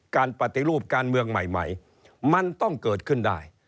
การปฏิรูปการเมืองใหม่มันต้องเกิดขึ้นได้